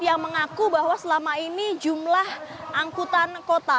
yang mengaku bahwa selama ini jumlah angkutan kota